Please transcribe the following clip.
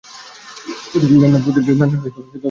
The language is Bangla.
প্রতিটি দানের সহিত দাতার মন্দ ভাবগুলিও গ্রহণ করিতে হইতে পারে।